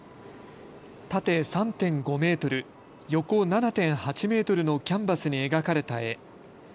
縦３．５メートル、横７．８メートルのキャンバスに描かれた絵。